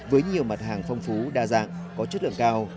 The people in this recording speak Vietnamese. với nhiều mặt hàng phong phú đa dạng có chất lượng cao